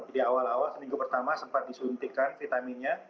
di awal awal seminggu pertama sempat disuntikan vitaminnya